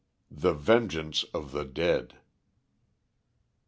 THE VENGEANCE OF THE DEAD.